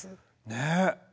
ねえ。